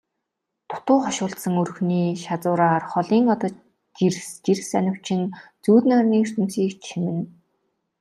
Дутуу хошуулдсан өрхний шазуураар холын одод жирс жирс анивчин зүүд нойрны ертөнцийг чимнэ.